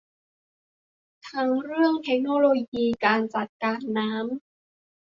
ทั้งเรื่องเทคโนโลยีการจัดการน้ำ